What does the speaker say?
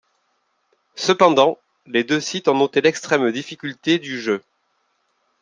Cependant, les deux sites ont noté l'extrême difficulté du jeu.